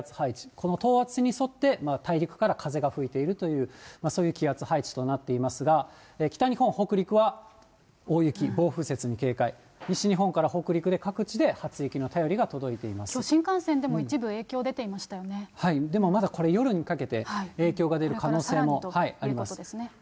この等圧線に沿って、大陸から風が吹いているという、そういう気圧配置となっていますが、北日本、北陸は、大雪、暴風雪に警戒、西日本から北陸で、きょう、新幹線でも一部、でもまだこれ、夜にかけて、影響が出る可能性もあります。